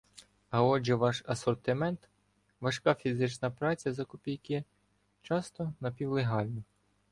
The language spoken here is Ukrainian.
А отже ваш асортимент – важка фізична праця за копійки, часто — напівлегально